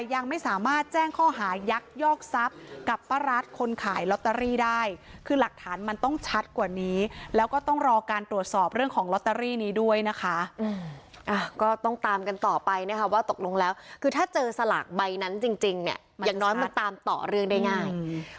ยังไม่สามารถแจ้งข้อหายักยอกทรัพย์กับป้ารัฐคนขายลอตเตอรี่ได้คือหลักฐานมันต้องชัดกว่านี้แล้วก็ต้องรอการตรวจสอบเรื่องของลอตเตอรี่นี้ด้วยนะคะก็ต้องตามกันต่อไปนะคะว่าตกลงแล้วคือถ้าเจอสลากใบนั้นจริงเนี่ยอย่างน้อยมันตามต่อเรื่องได้ง่าย